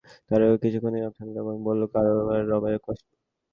তার পর কিছুক্ষণ নিরব থাকল এবং বলল, কাবার রবের কসম!